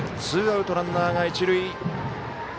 ツーアウト、ランナーが一塁。